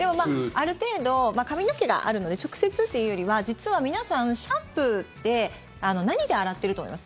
ある程度髪の毛があるので直接っていうよりは実は皆さん、シャンプーって何で洗ってると思います？